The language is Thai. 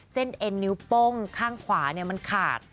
เส้นเอนนิ้วป้งข้างขวาเนี่ยมันขาด